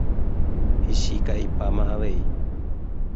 Ichika'ipáma avei.